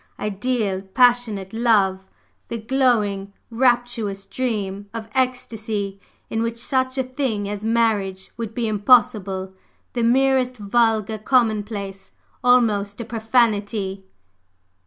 ideal, passionate love! the glowing, rapturous dream of ecstasy in which such a thing as marriage would be impossible, the merest vulgar commonplace almost a profanity."